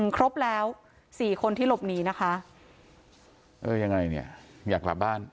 ครบแล้วสี่คนที่หลบหนีนะคะเออยังไงเนี่ยอยากกลับบ้าน